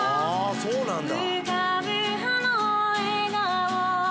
そうなんだ。